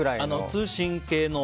通信系の？